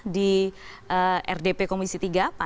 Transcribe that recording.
di rdp komisi tiga